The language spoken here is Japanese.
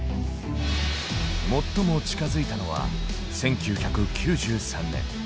最も近づいたのは１９９３年。